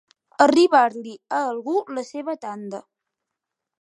Arribar-li a algú la seva tanda.